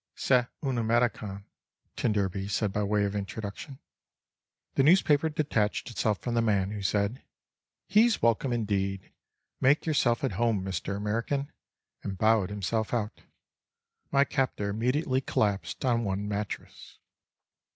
"C'est un Américain," t d said by way of introduction. The newspaper detached itself from the man who said: "He's welcome indeed: make yourself at home, Mr. American"—and bowed himself out. My captor immediately collapsed on one mattress.